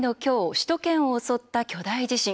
首都圏を襲った巨大地震。